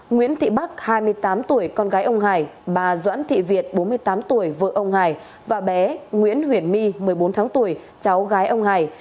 nguyễn thị bắc hai mươi tám tuổi con gái ông hải bà doãn thị việt bốn mươi tám tuổi vợ ông hải và bé nguyễn huyền my một mươi bốn tháng tuổi cháu gái ông hải